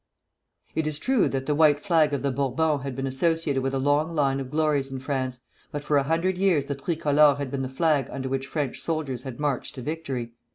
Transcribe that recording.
It is true that the White Flag of the Bourbons had been associated with a long line of glories in France, but for a hundred years the Tricolor had been the flag under which French soldiers had marched to victory.